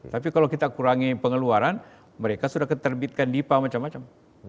tapi kalau kita kurangi pengeluaran mereka sudah keterbitkan dipa macam macam